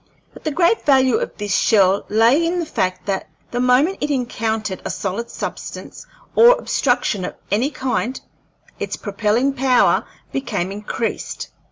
But the great value of this shell lay in the fact that the moment it encountered a solid substance or obstruction of any kind its propelling power became increased.